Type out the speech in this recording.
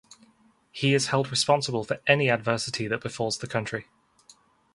He is held responsible for any adversity that befalls the country.